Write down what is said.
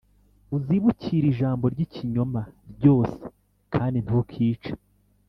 uzibukire ijambo ry ikinyoma ryose kandi ntukice